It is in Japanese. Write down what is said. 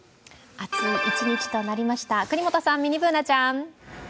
暑い一日となりました、國本さん、ミニＢｏｏｎａちゃん。